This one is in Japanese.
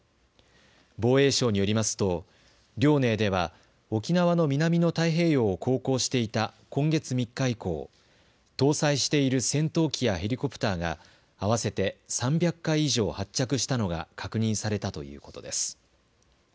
防衛省によりますと遼寧では沖縄の南の太平洋を航行していた今月３日以降、搭載している戦闘機やヘリコプターが合わせて３００回以上発着したのが確認されたということです。